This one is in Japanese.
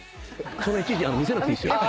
そんないちいち見せなくていいですよ。